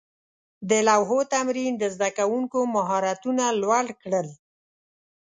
د لوحو تمرین د زده کوونکو مهارتونه لوړ کړل.